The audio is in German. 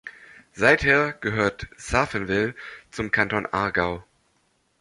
Seither gehört Safenwil zum Kanton Aargau.